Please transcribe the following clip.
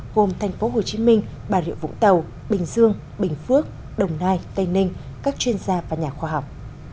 gồm tp hcm bà rịa vũng tàu bình dương bình phước đồng nai tây ninh các chuyên gia và nhà khoa học